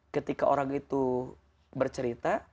ketika orang itu bercerita